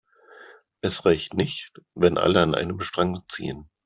Es reicht nicht, wenn alle an einem Strang ziehen.